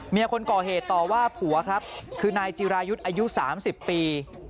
คนก่อเหตุต่อว่าผัวครับคือนายจิรายุทธ์อายุ๓๐ปี